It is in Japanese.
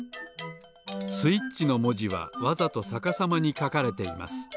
スイッチのもじはわざとさかさまにかかれています。